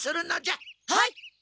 はい！